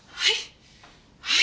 はい。